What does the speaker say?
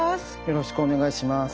よろしくお願いします。